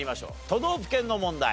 都道府県の問題。